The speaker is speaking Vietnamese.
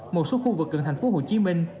một số khu vực gần thành phố hồ chí minh